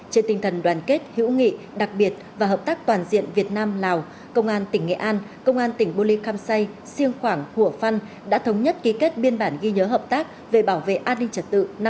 trên tinh thần đoàn kết hữu nghị đặc biệt và hợp tác toàn diện việt nam lào công an tỉnh nghệ an công an tỉnh bô ly khăm say siêng khoảng hủa phăn đã thống nhất ký kết biên bản ghi nhớ hợp tác về bảo vệ an ninh trật tự năm hai nghìn hai mươi ba